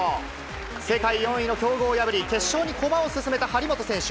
世界４位の強豪を破り、決勝に駒を進めた張本選手。